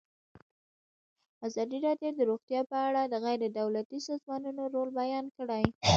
ازادي راډیو د روغتیا په اړه د غیر دولتي سازمانونو رول بیان کړی.